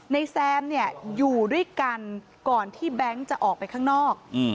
แซมเนี่ยอยู่ด้วยกันก่อนที่แบงค์จะออกไปข้างนอก